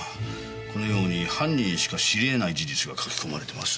このように犯人しか知りえない事実が書き込まれてます。